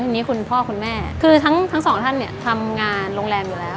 ทีนี้คุณพ่อคุณแม่คือทั้งสองท่านเนี่ยทำงานโรงแรมอยู่แล้ว